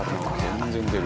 全然出る。